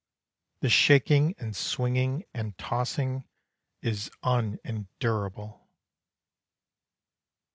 This shaking and swinging and tossing Is unendurable!